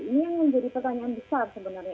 ini yang menjadi pertanyaan besar sebenarnya